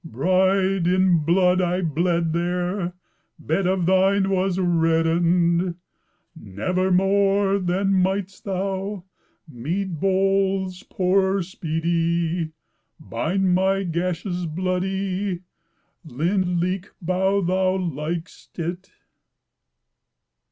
Bride, in blood I bled there, Bed of thine was reddened. Never more then mightst thou, Mead bowl'spourer speedy, Bind my gashes bloody Lind leek bough thou likst it."